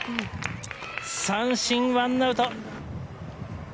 三振、ワンアウト！